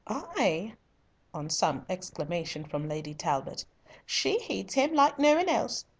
Ay," on some exclamation from Lady Talbot, "she heeds him like no one else.